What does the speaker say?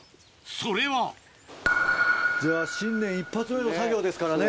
それはじゃあ新年一発目の作業ですからね。